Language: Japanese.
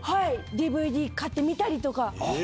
ＤＶＤ買って見たりとか。